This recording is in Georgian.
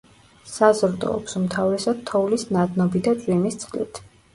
საზრდოობს უმთავრესად თოვლის ნადნობი და წვიმის წყლით.